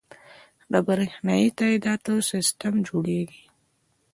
د بریښنایی تادیاتو سیستم جوړیږي